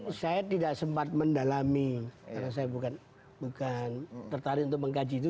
ya saya tidak sempat mendalami karena saya bukan tertarik untuk mengkaji itu